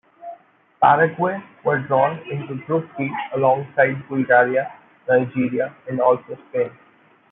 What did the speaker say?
Paraguay were drawn into Group D, alongside Bulgaria; Nigeria; and also Spain.